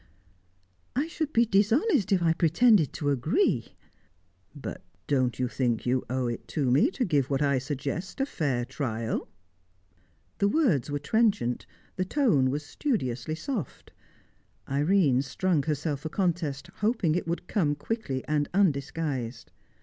"I should be dishonest if I pretended to agree." "But don't you think you owe it to me to give what I suggest a fair trial?" The words were trenchant, the tone was studiously soft. Irene strung herself for contest, hoping it would come quickly and undisguised.